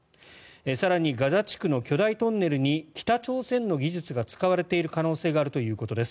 更にガザ地区の巨大トンネルに北朝鮮の技術が使われている可能性があるということです。